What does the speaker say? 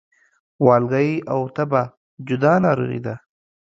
والګی او تبه جدا ناروغي دي